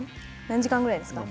何時間ぐらいですか。